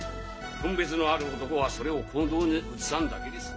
分別のある男はそれを行動に移さんだけです。